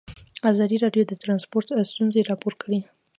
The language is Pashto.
ازادي راډیو د ترانسپورټ ستونزې راپور کړي.